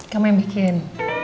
kamu yang bikin